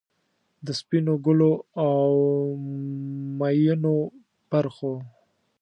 د سپینو ګلو، اومیینو پرخو،